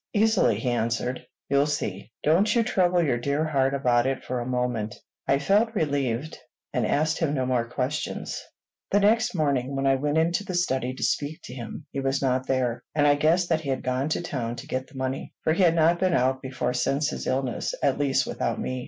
"Easily," he answered. "You'll see. Don't you trouble your dear heart about it for a moment." I felt relieved, and asked him no more questions. The next morning, when I went into the study to speak to him, he was not there; and I guessed that he had gone to town to get the money, for he had not been out before since his illness, at least without me.